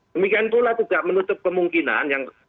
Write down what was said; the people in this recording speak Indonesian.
demikian pula juga menutup kemungkinan